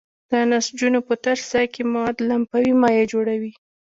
د نسجونو په تش ځای کې مواد لمفاوي مایع جوړوي.